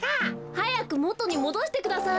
はやくもとにもどしてください。